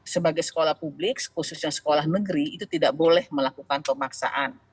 sebagai sekolah publik khususnya sekolah negeri itu tidak boleh melakukan pemaksaan